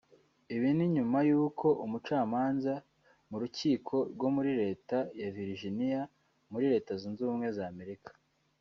Ibi ni nyuma yuko umucamanza mu rukiko rwo muri leta ya Virginiya muri Leta zunze ubumwe z’Amerika